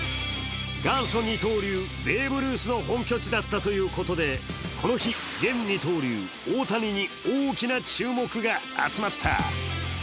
元祖二刀流、ベーブ・ルースの本拠地だったということで、この日、現二刀流・大谷に大きな注目が集まった。